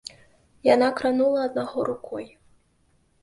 Яна кранула аднаго рукой.